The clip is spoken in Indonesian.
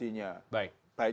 yang ada populasinya